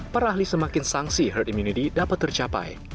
para ahli semakin sanksi herd immunity dapat tercapai